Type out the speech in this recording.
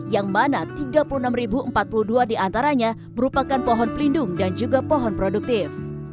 yang mana tiga puluh enam empat puluh dua diantaranya merupakan pohon pelindung dan juga pohon produktif